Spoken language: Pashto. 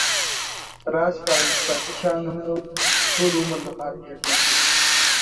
راشي د هغه اطرافي شیانو نومونه ولیکو چې د ټول عمر لپاره هېر نشی.